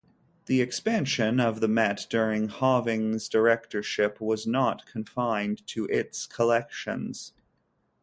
The expansion of the Met during Hoving's directorship was not confined to its collections.